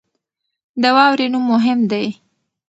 د واورې نوم مهم دی.